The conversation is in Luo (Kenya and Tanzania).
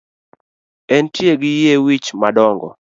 Entie gi yie wich madongo